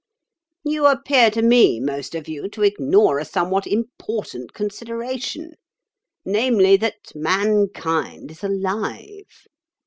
You appear to me, most of you, to ignore a somewhat important consideration—namely, that mankind is alive.